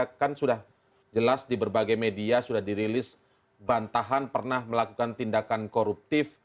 karena kan sudah jelas di berbagai media sudah dirilis bantahan pernah melakukan tindakan koruptif